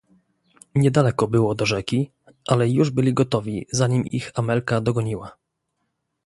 "Niedaleko było do rzeki, ale już byli gotowi zanim ich Amelka dogoniła."